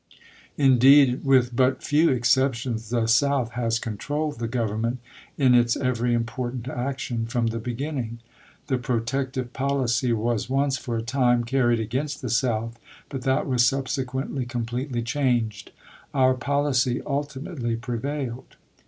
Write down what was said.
Indeed, with but few exceptions, the South has controlled the Government in its every important action from the beginning. The pro tective policy was once, for a time, carried against the South; but that was subsequently completely changed. Our policy ultimately prevailed.